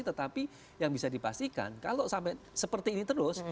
tetapi yang bisa dipastikan kalau sampai seperti ini terus